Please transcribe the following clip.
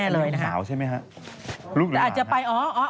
อันนี้เป็นหลวงสาวใช่มั้ยฮะลูกหรือหลานฮะ